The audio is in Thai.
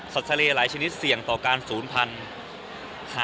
ทะเลหลายชนิดเสี่ยงต่อการศูนย์พันธุ์